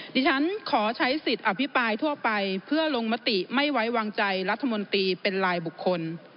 ดิฉันขอใช้สิทธิ์อภิปรายทั่วไปเพื่อลงมติไม่ไว้วางใจรัฐมนตรีเป็นลายบุคคล